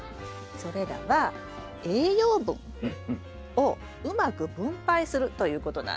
それらは栄養分をうまく分配するということなんです。